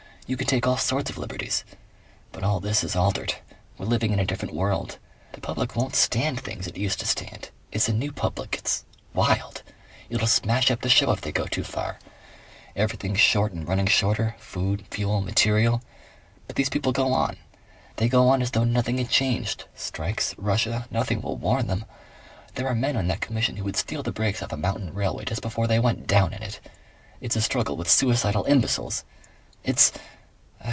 You could take all sorts of liberties. But all this is altered. We're living in a different world. The public won't stand things it used to stand. It's a new public. It's wild. It'll smash up the show if they go too far. Everything short and running shorter food, fuel, material. But these people go on. They go on as though nothing had changed.... Strikes, Russia, nothing will warn them. There are men on that Commission who would steal the brakes off a mountain railway just before they went down in it.... It's a struggle with suicidal imbeciles. It's